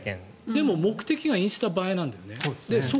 でも目的がインスタ映えなんだよね。